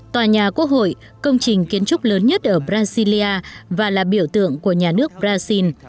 tòa nhà quốc hội công trình kiến trúc lớn nhất ở brasilia và là biểu tượng của nhà nước brazil